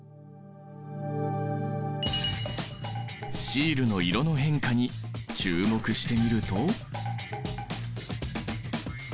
シールの色の変化に注目してみると？